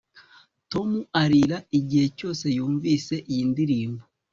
tom arira igihe cyose yumvise iyi ndirimbo